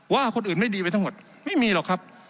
ว่าคนอื่นไม่ดีไปทั้งหมดไม่มีหรอกครับ